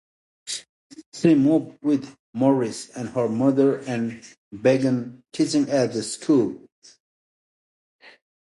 She moved in with Morris and her mother and began teaching at the school.